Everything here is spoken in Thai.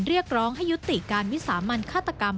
เรียกร้องให้ยุติการวิสามันฆาตกรรม